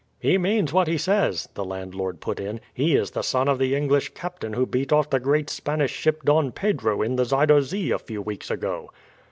"He means what he says," the landlord put in. "He is the son of the English captain who beat off the great Spanish ship Don Pedro in the Zuider Zee a few weeks ago."